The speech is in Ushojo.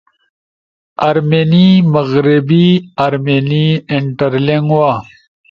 آرمینی، مغربی آرمینی، انٹرلینگوا